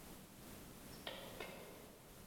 The song is a churring trill.